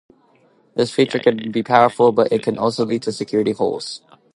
This feature can be powerful, but it can also lead to security holes.